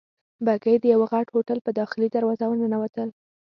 بګۍ د یوه غټ هوټل په داخلي دروازه ورننوتل.